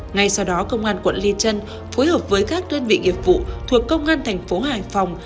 ngay sau đó công an quận lê trân phối hợp với các đơn vị nghiệp vụ thuộc công an thành phố hải phòng